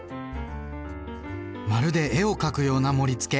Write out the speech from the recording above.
まるで絵を描くような盛り付け。